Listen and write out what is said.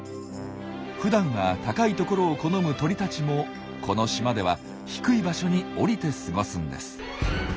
ふだんは高い所を好む鳥たちもこの島では低い場所に降りて過ごすんです。